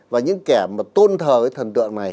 và những kẻ mà tôn thờ với thần tượng mà